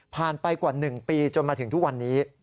ผ่านไปกว่าหนึ่งปีจนมาถึงทุกวันนี้